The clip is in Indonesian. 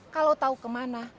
kalo tau kemana